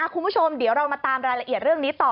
คุณผู้ชมเดี๋ยวเรามาตามรายละเอียดเรื่องนี้ต่อ